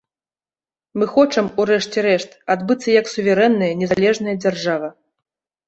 Мы хочам, у рэшце рэшт, адбыцца як суверэнная незалежная дзяржава.